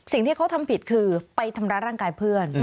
สิ่งที่เขาทำผิดคือไปทำร้ายร่างกายเพื่อน